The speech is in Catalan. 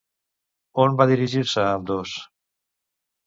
On va dirigir-se ambdós?